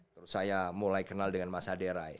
terus saya mulai kenal dengan mas haderai